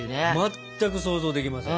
全く想像できません。